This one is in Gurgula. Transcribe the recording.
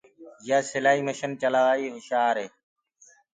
يآ سِلآئي مشن چلآوآ ڪيٚ مآهر هي۔